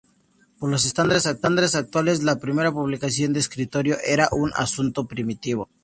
Por los estándares actuales, la primera publicación de escritorio era un asunto primitivo.